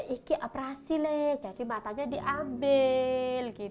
ini operasi jadi matanya diambil